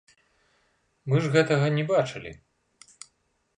Мы ж гэтага не бачылі.